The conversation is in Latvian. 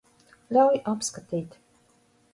Ļauj apskatīt.